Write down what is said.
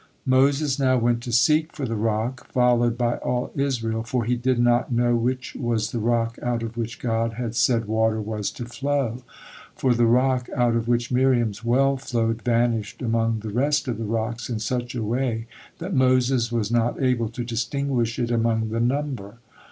'" Moses now went to seek for the rock, followed by all Israel, for he did not know which was the rock out of which God had said water was to flow. For the rock out of which Miriam's well flowed vanished among the rest of the rocks in such a way that Moses was not able to distinguish it among the number.